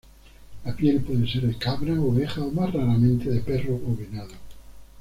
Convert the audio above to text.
La piel puede ser de cabra, oveja o más raramente de perro o venado.